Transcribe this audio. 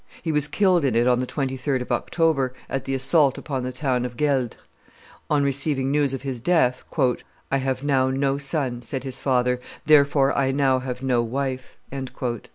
He was killed in it on the 23d of October, at the assault upon the town of Gueldres. On receiving news of his death, "I have now no son," said his father; "therefore I have now no wife."